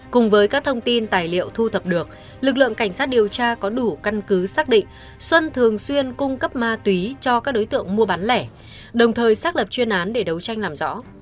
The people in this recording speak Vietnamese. cùng với các thông tin tài liệu thu thập được lực lượng cảnh sát điều tra có đủ căn cứ xác định xuân thường xuyên cung cấp ma túy cho các đối tượng mua bán lẻ đồng thời xác lập chuyên án để đấu tranh làm rõ